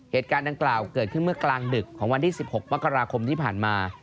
เหตุการณ์ดังกล่าวเกิดขึ้นเมื่อกลางดึกของวันที่๑๖มกราคมที่ผ่านมา